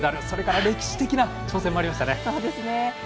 それから、歴史的な挑戦もありましたね。